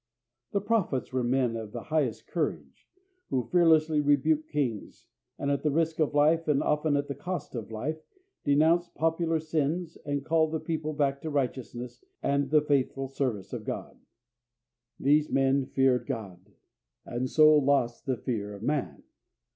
The prophets were men of the highest courage, who fearlessly rebuked kings, and at the risk of life, and often at the cost of life, denounced popular sins, and called the people back to righteousness and the faithful service of God. These men feared God, and so lost the fear of man.